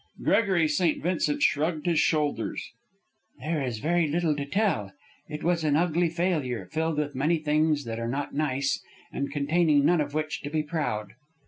Gregory St. Vincent shrugged his shoulders, "There is very little to tell. It was an ugly failure, filled with many things that are not nice, and containing nothing of which to be proud."